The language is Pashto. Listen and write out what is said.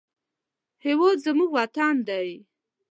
هېواد زموږ ارمان دی